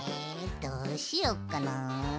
どうしよっかなあ。